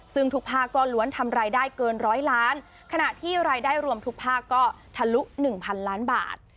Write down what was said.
ซึ่งทุกภาคก็ล้วนทำรายได้เกินร้อยล้านขณะที่รายได้รวมทุกภาคก็ทะลุ๑๐๐ล้านบาท